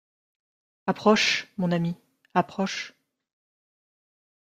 Approche, mon ami, approche.